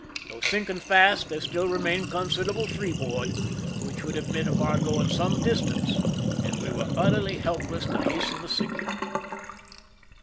Though sinking fast, there still remained considerable free board, which would admit of our going some dis tance, and we were utterly helpless to hasten the sinking.